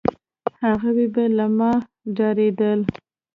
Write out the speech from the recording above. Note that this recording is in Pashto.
هغوی به له ما ډارېدل،